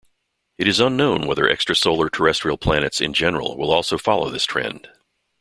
It is unknown whether extrasolar terrestrial planets in general will also follow this trend.